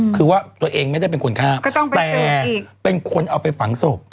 คือว่าตัวเองไม่ได้เป็นคนฆ่าแต่เป็นคนเอาไปฝังศพ